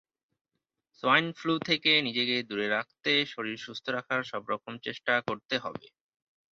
Swine flu থেকে নিজেকে দূরে রাখতে শরীর সুস্থ রাখার সব রকম চেষ্টা করতে হবে।